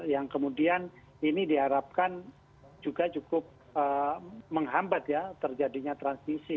yang kemudian ini diharapkan juga cukup menghambat ya terjadinya transisi